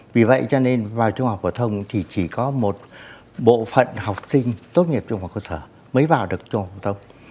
vì vậy cho nên vào trung học phổ thông thì chỉ có một bộ phận học sinh tốt nghiệp trung học cơ sở